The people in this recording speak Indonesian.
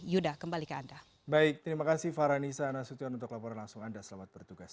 yuda kembali ke anda